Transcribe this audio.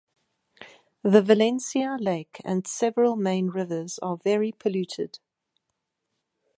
The Valencia Lake and several main rivers are very polluted.